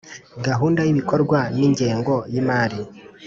Gahunda y’ibikorwa n’ingengo y’imari